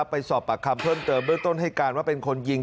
ไปสอบประคำเพิ่มเติมลึกต้นให้การเป็นคนยิง